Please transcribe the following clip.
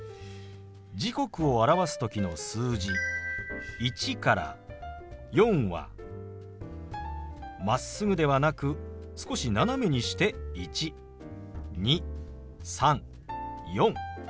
時刻を表す時の数字１から４はまっすぐではなく少し斜めにして１２３４。